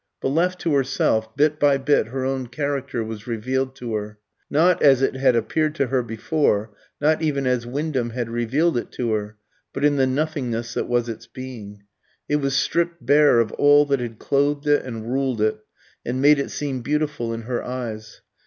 But left to herself, bit by bit her own character was revealed to her, not as it had appeared to her before not even as Wyndham had revealed it to her but in the nothingness that was its being. It was stripped bare of all that had clothed it, and ruled it, and made it seem beautiful in her eyes.